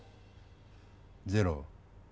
ゼロ。